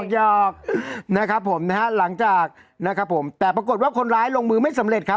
หยอกนะครับผมนะฮะหลังจากนะครับผมแต่ปรากฏว่าคนร้ายลงมือไม่สำเร็จครับ